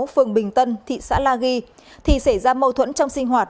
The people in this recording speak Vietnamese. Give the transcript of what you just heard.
phường bình tân thị xã la ghi thì xảy ra mâu thuẫn trong sinh hoạt